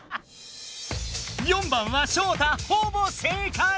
４番はショウタほぼ正解！